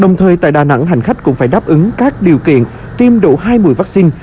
đồng thời tại đà nẵng hành khách cũng phải đáp ứng các điều kiện tiêm đủ hai mươi vaccine